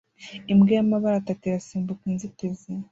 Imbwa y'amabara atatu irasimbuka inzitizi